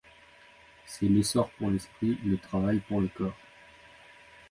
C'est l'essor pour l'esprit, le travail pour le corps